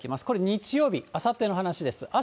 これ日曜日、あさっての話です。